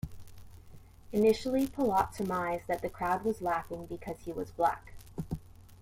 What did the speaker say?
Initially, Pellot surmised that the crowd was laughing because he was black.